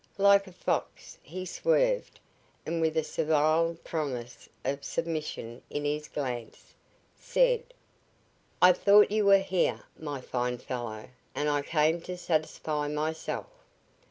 Like a fox he swerved and, with a servile promise of submission in his glance, said: "I thought you were here, my fine fellow, and I came to satisfy myself.